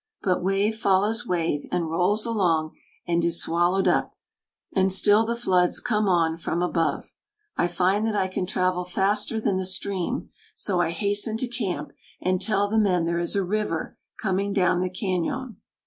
But wave follows wave, and rolls along, and is swallowed up; and still the floods come on from above. I find that I can travel faster than the stream; so I hasten to camp and tell the men there is a river coming down the cañon."